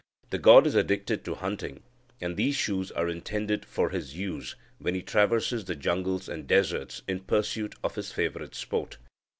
The god is addicted to hunting, and these shoes are intended for his use when he traverses the jungles and deserts in pursuit of his favourite sport.